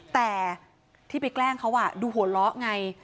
แต่ที่ไปแกล้งเขาดูโหละไง